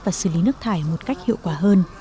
và xử lý nước thải một cách hiệu quả hơn